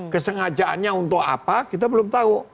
kesengajaannya untuk apa kita belum tahu